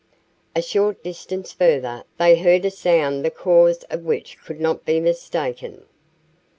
A short distance further, they heard a sound the cause of which could not be mistaken.